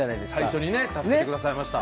最初にね助けてくださいました